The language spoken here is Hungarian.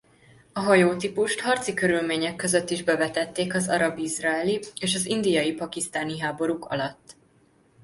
A hajótípust harci körülmények között is bevetették az arab–izraeli és az indiai–pakisztáni háborúk alatt.